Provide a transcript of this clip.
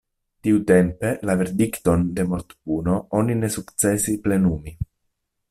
Tiutempe la verdikton de mortpuno oni ne sukcesis plenumi.